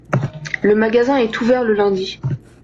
Le magasin est ouvert le lundi.